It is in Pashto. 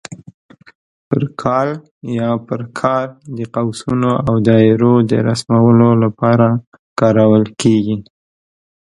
پر کال یا پر کار د قوسونو او دایرو د رسمولو لپاره کارول کېږي.